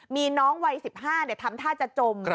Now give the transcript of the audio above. มีน้องวัย๑๕ทำท่าจะจม